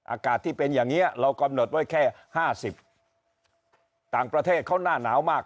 อากาศที่เป็นอย่างนี้เรากำหนดไว้แค่๕๐ต่างประเทศเขาหน้าหนาวมาก